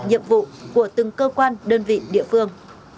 nhiệm vụ của từng cơ quan đơn vị địa phương